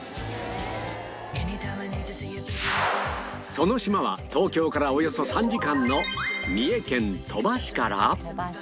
その島は東京からおよそ３時間の三重県鳥羽市から